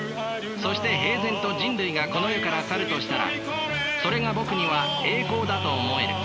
そして平然と人類がこの世から去るとしたらそれがぼくには栄光だと思える。